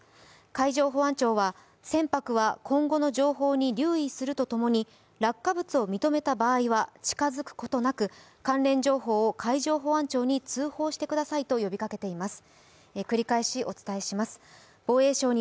海上保安庁は船舶は今後の情報に留意するとともに落下物を認めた場合は近づくことなく関連情報を海上保安庁に通報してくださいと呼びかけています。